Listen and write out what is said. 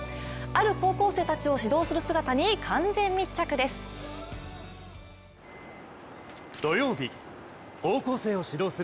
ある高校生たちを指導する姿に完全密着です。